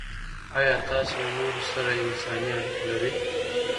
آیا تاسې له نورو سره انساني اړیکې لرئ؟